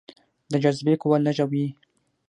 د جاذبې قوه لږه وي.